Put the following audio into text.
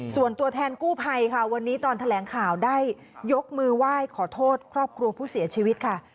ส่วนตัวแทนกู้ภัยค่ะวันนี้ตอนแถลงข่าวได้ยกมือไหว้ขอโทษครอบครัวผู้เสียชีวิตค่ะ